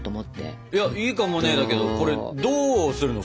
いいかもねだけどこれどうするの？